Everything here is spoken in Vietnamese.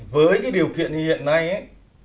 với cái điều kiện như hiện nay ấy